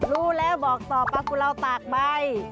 รู้แล้วบอกต่อปลากุลาวตากใบ